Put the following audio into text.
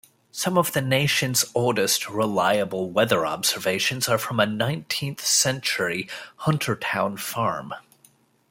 Some of the nation's oldest reliable weather observations are from a nineteenth-century Huntertown farm.